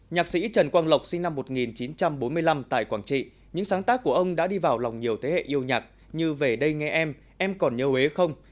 nhạc sĩ trần quang lộc sinh năm một nghìn chín trăm bốn mươi năm tại quảng trị những sáng tác của ông đã đi vào lòng nhiều thế hệ yêu nhạc như về đây nghe em em còn nhớ ế không